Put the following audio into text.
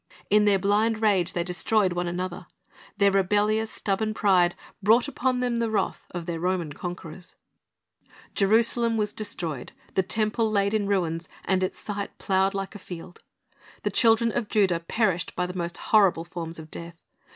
In their blind rage they destroyed one another. Their rebellious, stubborn pride brought upon them the wrath of their Roman 296 C li ri s t's Object Lessons conquerors. Jerusalem was destroyed, the temple laid in ruins, and its site plowed like a field. The children of Judah perished by the most horrible forms of death.